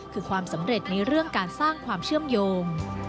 คือความสำเร็จในเรื่องการสร้างความเชื่อมโยง